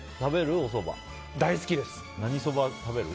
大好きです。